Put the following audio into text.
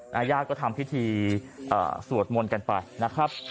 ญาติก็ทำพิธีสวดมนต์กันไปนะครับ